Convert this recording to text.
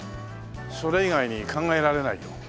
それ以外に考えられないよ。